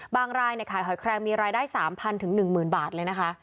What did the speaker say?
รายขายหอยแครงมีรายได้๓๐๐๑๐๐บาทเลยนะคะ